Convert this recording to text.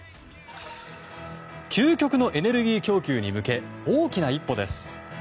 究極のエネルギー供給に向け大きな一歩です。